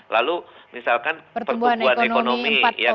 lalu misalkan pertumbuhan ekonomi